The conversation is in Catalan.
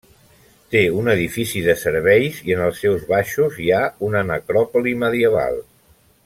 Té un edifici de serveis i en els seus baixos hi ha una necròpoli medieval.